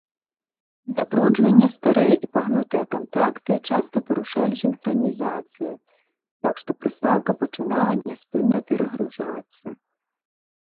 Забруджванне, старыя і пагнутыя кантакты часта парушалі сінхранізацыю, так што прыстаўка пачынала няспынна перагружацца.